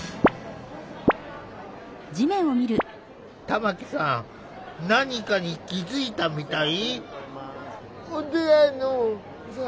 玉木さん何かに気付いたみたい。